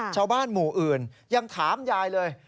ชาวบ้านหมู่อื่นยังถามยายเลย